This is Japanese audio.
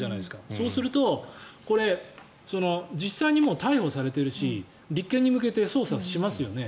そうすると実際にもう逮捕されているし立件に向けて捜査しますよね。